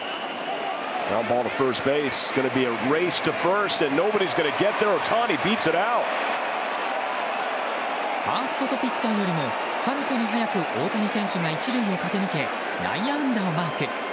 ファーストとピッチャーよりもはるかに速く大谷選手が１塁を駆け抜け内野安打をマーク。